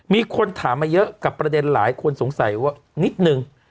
มีคนถามมาเยอะกับประเด็นหลายคนสงสัยว่านิดนึง